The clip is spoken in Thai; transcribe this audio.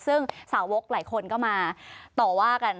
ซึ่งสาวกหลายคนก็มาต่อว่ากัน